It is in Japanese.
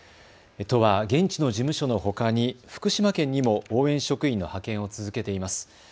都は現地の事務所のほかに福島県にも応援職員の派遣を続けています。